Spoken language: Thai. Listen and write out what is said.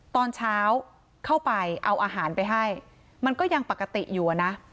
ตอนเช้าเข้าไปเอาอาหารไปให้มันก็ยังปกติอยู่อะนะ